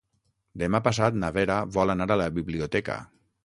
Demà passat na Vera vol anar a la biblioteca.